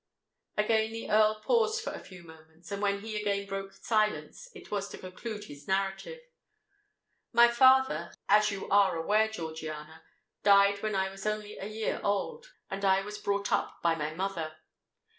Again the Earl paused for a few moments; and when he again broke silence, it was to conclude his narrative. "My father, as you are aware, Georgiana, died when I was only a year old; and I was brought up by my mother.